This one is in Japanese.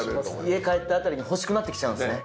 家帰ったあたりに欲しくなってきちゃうんですね。